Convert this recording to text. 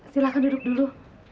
silahkan duduk dulu